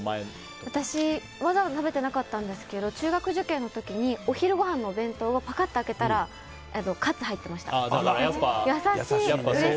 私、朝は食べてなかったんですけど中学受験の時お昼ごはんのお弁当をパカッと開けたらカツ入っていました。